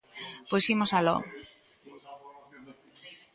Pois imos aló.